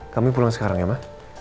kami pulang sekarang ya mbak